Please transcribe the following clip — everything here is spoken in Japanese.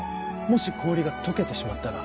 もし氷が溶けてしまったら。